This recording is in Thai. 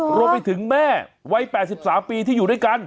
รวมไปถึงแม่วัย๘๓ปีที่อยู่ด้วยกัน